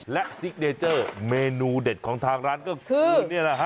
และซิกเนเจอร์เมนูเด็ดของทางร้านก็คือ